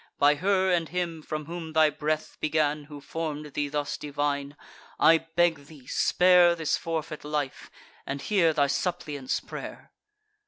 By her and him from whom thy breath began, Who form'd thee thus divine, I beg thee, spare This forfeit life, and hear thy suppliant's pray'r."